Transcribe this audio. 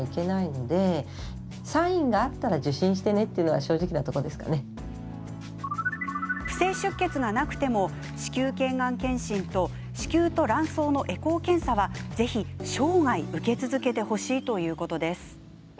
でも、実際のところは不正出血がなくても子宮頸がん検診と子宮と卵巣のエコー検査はぜひ、生涯受け続けてほしいということです。